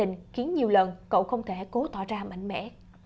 trong gia đình khiến nhiều lần cậu không thể cố tỏ ra mạnh mẽ